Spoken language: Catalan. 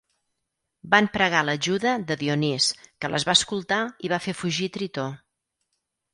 Van pregar l'ajuda de Dionís, que les va escoltar i va fer fugir Tritó.